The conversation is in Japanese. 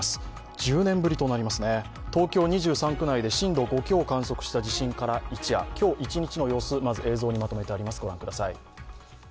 １０年部となります、東京２３区内で震度５強を観測した地震から一夜、今日一日の様子を映像にまとめてあります。